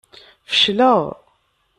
Fecleɣ.